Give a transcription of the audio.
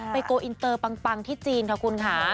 โกลอินเตอร์ปังที่จีนค่ะคุณค่ะ